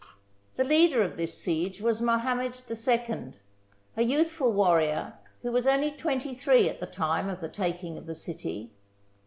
The leader of this siege was Mohammed II, a youthful warrior who was only twenty three at the time of the taking of the city.